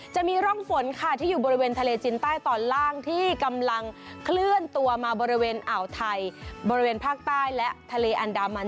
จะมีร่องฝนค่ะที่อยู่บริเวณทะเลจินใต้ตอนล่างที่กำลังเคลื่อนตัวมาบริเวณอ่าวไทยบริเวณภาคใต้และทะเลอันดามัน